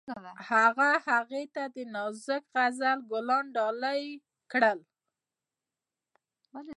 هغه هغې ته د نازک غزل ګلان ډالۍ هم کړل.